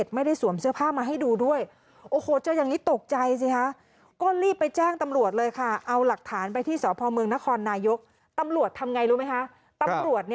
แล้วอู้ส่วนฝ้ามาให้ดูด้วยแบบโอ้โหไม๊ตกใจไว้ค่ะก็รีบไปแจ้งตำรวจเลยค่ะเอาหลักฐานไปที่เสพอมประเภทนในตัวหน่วยกับทวดทำไงรู้ไหมนะครับ